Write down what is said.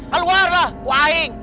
keluarlah bu aing